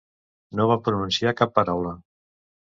No vam pronunciar cap paraula.